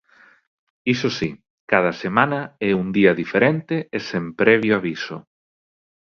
Iso si, cada semana é un día diferente e sen previo aviso.